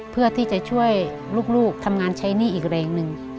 เพื่อที่จะช่วยลูกทำงานใช้หนี้อีกแรงหนึ่ง